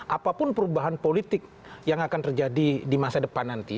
apapun perubahan politik yang akan terjadi di masa depan nanti